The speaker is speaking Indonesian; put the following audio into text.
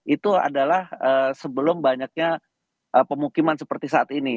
itu adalah sebelum banyaknya pemukiman seperti saat ini